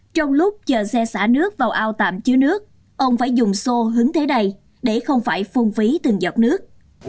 trong lúc chờ xe xả nước vào ao tạm chứa nước ông phải dùng xô hứng thế này để không phải phung phí từng giọt nước